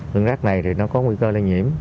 hương rác này thì nó có nguy cơ lây nhiễm